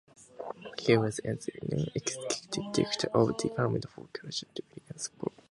He was as a non-executive director of the Department for Culture, Media and Sport.